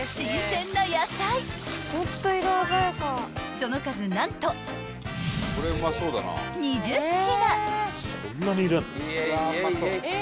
［その数何と２０品］